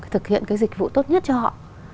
thực hiện cái dịch vụ tốt nhất cho họ